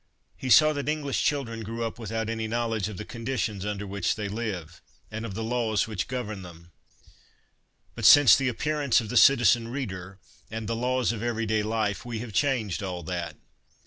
He saw that English children grew up without any knowledge of the con ditions under which they live, and of the laws which govern them ; but, since the appearance of The Citizen Reader and The Laws of Every day Life, we have changed all that.